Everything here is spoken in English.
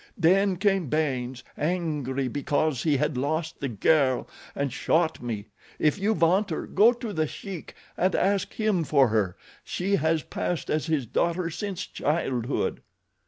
Then came Baynes, angry because he had lost the girl, and shot me. If you want her, go to The Sheik and ask him for her—she has passed as his daughter since childhood."